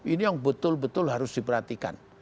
ini yang betul betul harus diperhatikan